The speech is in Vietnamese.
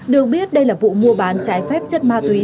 được biết đây là vụ mua bán trái phép chất ma túy